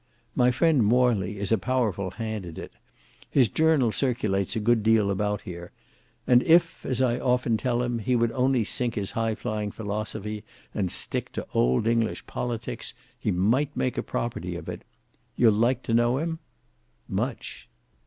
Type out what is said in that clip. My friend Morley is a powerful hand at it. His journal circulates a good deal about here; and if as I often tell him he would only sink his high flying philosophy and stick to old English politics, he might make a property of it. You'll like to know him?" "Much."